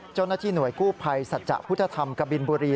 เจ้าหน้าที่หน่วยกู้ภัยสัจจะพุทธธรรมกบินบุรี